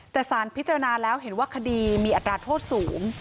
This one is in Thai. แต่สารพิจารณาแล้วเห็นว่าคดีมีอัตราโทษสูง